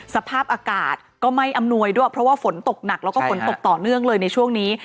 สภาพอากาศก็ไม่อำนวยด้วยเพราะว่าฝนตกหนักแล้วก็ฝนตกต่อเนื่องเลยในช่วงนี้